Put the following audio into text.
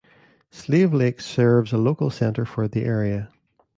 Slave Lake serves a local centre for the area.